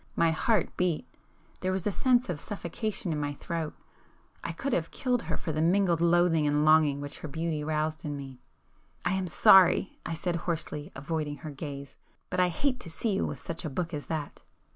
My heart beat,—there was a sense of suffocation in my throat,—I could have killed her for the mingled loathing and longing which her beauty roused in me. "I am sorry!" I said hoarsely, avoiding her gaze—"But I hate to see you with such a book as that!"